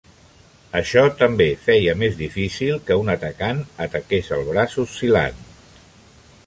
Això també feia més difícil que un atacant ataqués el braç oscil·lant.